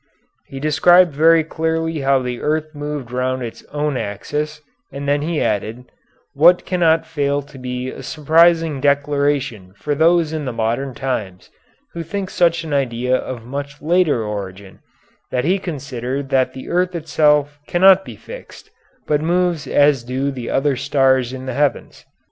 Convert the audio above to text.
He described very clearly how the earth moved round its own axis, and then he added, what cannot fail to be a surprising declaration for those in the modern times who think such an idea of much later origin, that he considered that the earth itself cannot be fixed, but moves as do the other stars in the heavens.